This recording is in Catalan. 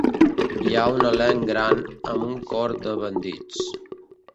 Hi ha un elenc gran, amb un cor de bandits.